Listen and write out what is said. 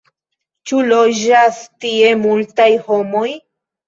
Ĉu loĝas tie multaj homoj?